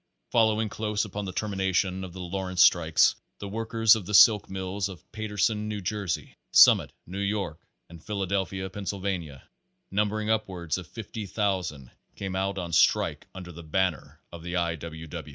Following close upon the termination of the Law Page Twenty seven rence strike, the workers in the silk mills of Paterson, New Jersey, Summit, New York, and Philadelphia, Pennsylvania, numbering upwards of fifty thousand, came out on strike under the banner of the I. W.